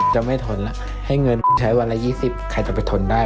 จะไม่ทนแล้วให้เงินใช้วันละ๒๐ใครจะไปทนได้